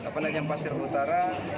penajam pasar utara